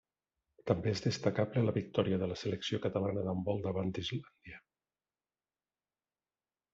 També és destacable la victòria de la selecció catalana d'handbol davant Islàndia.